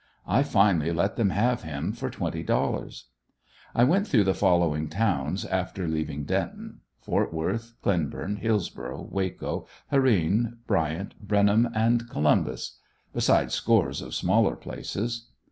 I finally let them have him for twenty dollars. I went through the following towns after leaving Denton: Ft. Worth, Clenborn, Hillsborough, Waco, Herrene, Bryant, Brenham and Columbus; besides scores of smaller places.